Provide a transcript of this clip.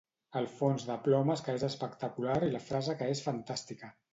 El fons de plomes que és espectacular i la frase que és fantàstica.